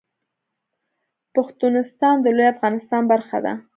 پښتونستان د لوی افغانستان برخه ده